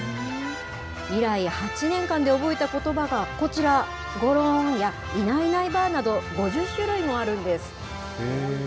以来８年間で覚えたことばがこちら、ごろんや、いないいないばぁなど、５０種類もあるんです。